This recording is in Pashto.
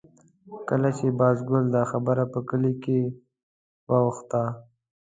کله چې د بازګل دا خبره په کلي کې واوښته.